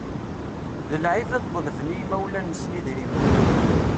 D lɛib ad ḍelben i yimawlan-nsen idrimen.